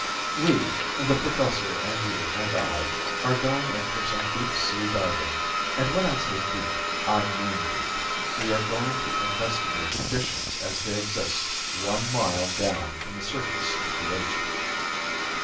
"We the Professor and you and I are going in for some deep sea diving. And when I say deep, I mean deep. We are going to investigate conditions as they exist one mile down from the surface of the ocean."